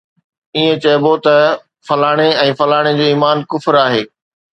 ائين چئبو ته فلاڻي ۽ فلاڻي جو ايمان ڪفر آهي